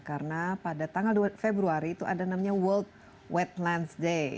karena pada tanggal februari itu ada namanya world wetlands day